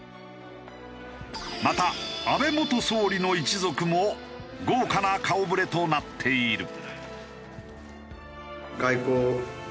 また安倍元総理の一族も豪華な顔ぶれとなっている。